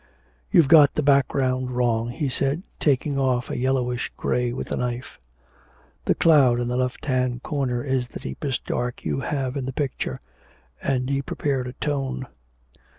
'You've got the background wrong,' he said, taking off a yellowish grey with the knife. 'The cloud in the left hand corner is the deepest dark you have in the picture,' and he prepared a tone.